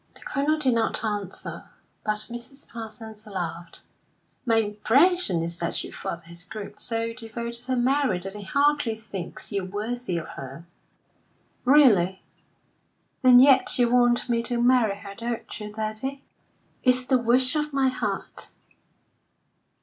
The Colonel did not answer, but Mrs. Parsons laughed. "My impression is that your father has grown so devoted to Mary that he hardly thinks you worthy of her." "Really? And yet you want me to marry her, don't you, daddy?" "It's the wish of my heart."